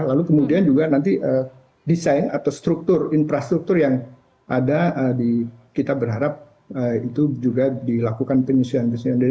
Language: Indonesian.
lalu kemudian juga nanti desain atau struktur infrastruktur yang ada di kita berharap itu juga dilakukan penyusunan penyesuaian